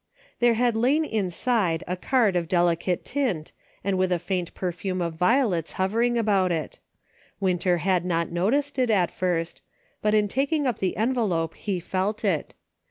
" There had lain inside a card of delicate tint, and with a faint perfume of violets hovering about it. Winter had not noticed it at first, but in taking up the envelope he felt it.